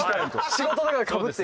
仕事だからかぶって。